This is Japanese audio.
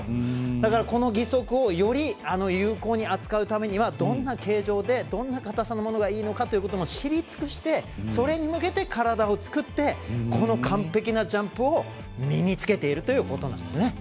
だから、この義足をより有効に扱うためにはどんな形状でどんな硬さのものがいいのかということも知り尽くして、それに向けて体を作って、完璧なジャンプを身につけているということなんですね。